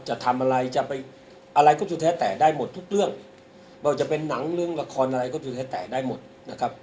จะทำอะไรจะไปอะไรก็จะแท้แต่ได้หมดทุกเรื่องไม่ว่าจะเป็นหนังเรื่องละครอะไรก็จะแท้แต่ได้หมดนะครับ